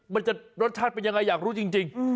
มันจะรสชาติเป็นยังไงอยากรู้จริง